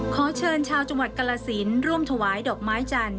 ขอเชิญชาวจังหวัดกรสินร่วมถวายดอกไม้จันทร์